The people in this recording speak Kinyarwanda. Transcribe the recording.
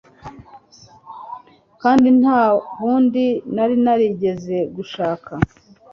kandi nta bundi nari narigeze gushaka